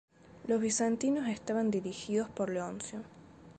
Los bizantinos estaban dirigidos por Leoncio.